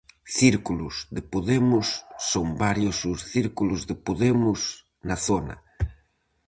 Círculos de podemos son varios os círculos de podemos na zona.